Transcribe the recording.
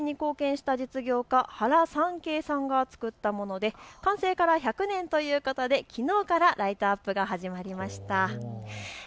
横浜の発展に貢献した実業家、原三渓さんが造ったもので完成から１００年ということできのうからライトアップが始まりました。